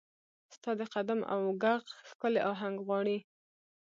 ستا د قدم او ږغ، ښکلې اهنګ غواړي